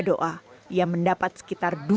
doa ia mendapat sekitar